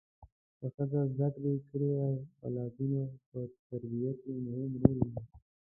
که ښځه زده کړې کړي وي اولادو په تربیه کې مهم رول لوبوي